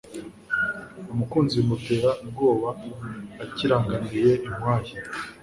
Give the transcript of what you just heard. Umukinzi bimutera ubwobaAkirangamiye inkwaya